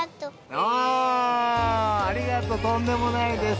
あぁありがとうとんでもないです。